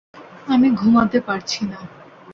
আমি ঘুমাতে পারছি না।